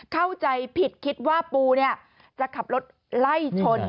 เข้าใจผิดคิดว่าปูจะขับรถไล่ชน